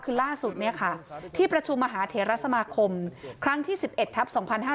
คือล่าสุดที่ประชุมมหาเทรสมาคมครั้งที่๑๑ทัพ๒๕๕๙